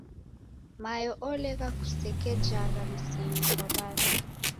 Mayo olegha kusekejagha mzinyi kwa w'andu